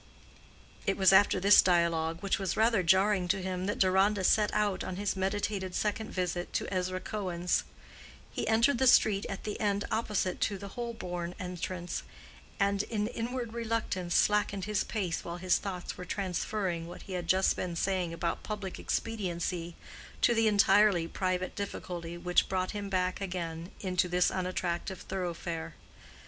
It was after this dialogue, which was rather jarring to him, that Deronda set out on his meditated second visit to Ezra Cohen's. He entered the street at the end opposite to the Holborn entrance, and an inward reluctance slackened his pace while his thoughts were transferring what he had just been saying about public expediency to the entirely private difficulty which brought him back again into this unattractive thoroughfare.